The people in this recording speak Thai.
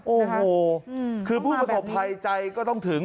โอ้โหคือผู้ประสบภัยใจก็ต้องถึง